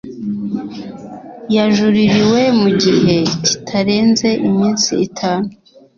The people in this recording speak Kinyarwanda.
yajuririwe mu gihe kitarenze iminsi itanu.